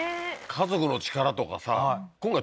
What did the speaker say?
家族の力とかさ。